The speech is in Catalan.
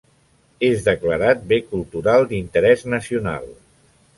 És declarat Bé Cultural d'Interès Nacional.